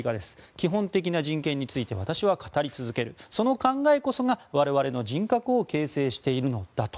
基本的な人権について私は語り続けるその考えこそが我々の人格を形成しているのだと。